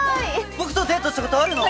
僕とデートした事あるの！？